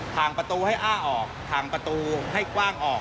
ทางประตูให้อ้าออกทางประตูให้กว้างออก